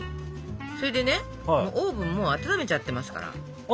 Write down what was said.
それでねオーブンもう温めちゃってますから。